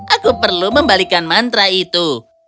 aku perlu membalikan mantra itu